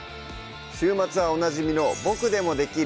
週末はおなじみの「ボクでもできる！